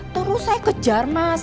terus saya kejar mas